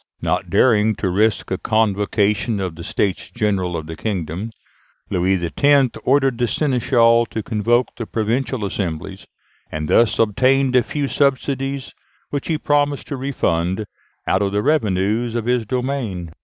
Not daring to risk a convocation of the States General of the kingdom, Louis X. ordered the seneschals to convoke the provincial assemblies, and thus obtained a few subsidies, which he promised to refund out of the revenues of his domains.